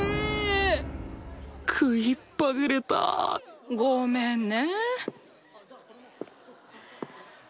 食いっぱぐれたごめんね。